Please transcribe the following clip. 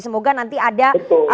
semoga nanti ada